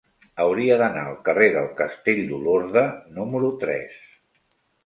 Hauria d'anar al carrer del Castell d'Olorda número tres.